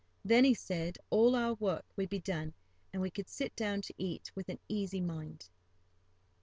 Then, he said, all our work would be done, and we could sit down to eat with an easy mind.